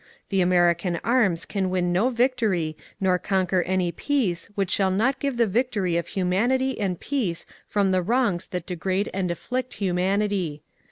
The American arms can win no victory nor conquer any peace which shall not be the victory of humanity and peace from the wrongs that degrade and afflict humanity.